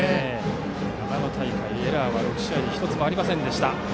長野大会エラーは６試合で１つもありませんでした。